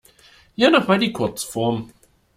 Hier noch mal die Kurzform.